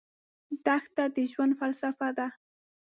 دښته د ژوند فلسفه ده.